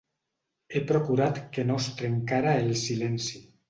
He procurat que no es trencara el silenci.